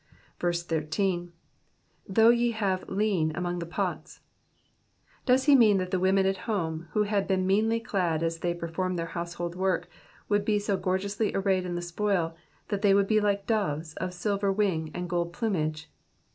18. ^^T/iough ye luive lien among the pouy Does he mean that the women at home, who had been meanly clad as they performed their household work, would be so gorgeously arrayed in the spoil, that they would be like doves of silver wing and golden plumage